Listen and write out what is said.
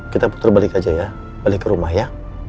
kita putar balik aja ya balik ke rumah ya